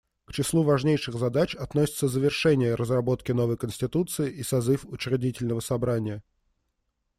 К числу важнейших задач относятся завершение разработки новой конституции и созыв учредительного собрания.